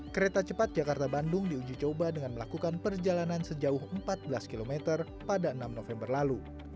kereta cepat jakarta bandung diuji coba dengan melakukan perjalanan sejauh empat belas km pada enam november lalu